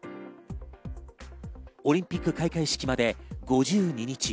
オリンピック開会式まで５２日。